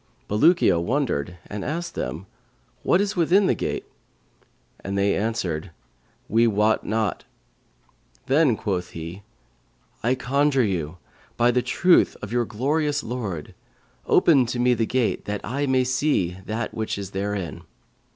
Bulukiya wondered and asked them, 'What is within the gate?'; and they answered, 'We wot not.' Then quoth he, 'I conjure you, by the truth of your glorious Lord, open to me the gate, that I may see that which is therein.'